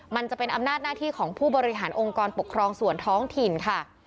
มันจะเป็นอำนาจหน้าที่ของผู้บริหารองค์กรปกครองส่วนท้องถิ่นค่ะ